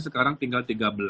sekarang tinggal tiga belas